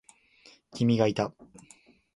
君がいた。